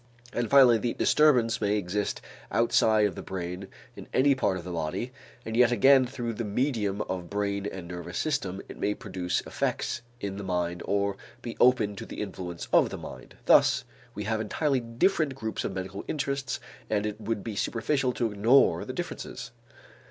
And finally the disturbance may exist outside of the brain in any part of the body, and yet again through the medium of brain and nervous system it may produce effects in the mind or be open to the influence of the mind. Thus we have entirely different groups of medical interests and it would be superficial to ignore the differences.